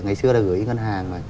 ngày xưa là gửi ngân hàng